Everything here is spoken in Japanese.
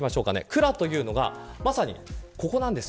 クラというのはまさにここなんです。